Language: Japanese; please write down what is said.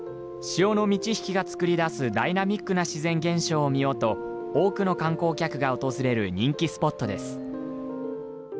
潮の満ち引きが作り出すダイナミックな自然現象を見ようと、多くの観光客が訪れる人気スポットです。